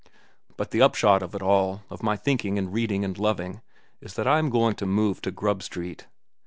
"But the upshot of it all—of my thinking and reading and loving—is that I am going to move to Grub Street.